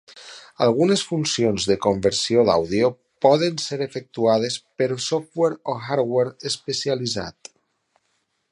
Algunes funcions de conversió d'àudio poden ser efectuades per software o hardware especialitzat.